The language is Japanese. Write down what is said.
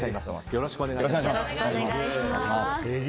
よろしくお願いします。